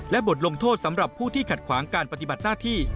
และบทลงโทษสำหรับผู้ที่ขัดขวางการปฏิบัติหน้าที่